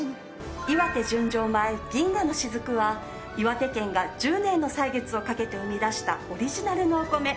いわて純情米「銀河のしずく」は岩手県が１０年の歳月をかけて生み出したオリジナルのお米。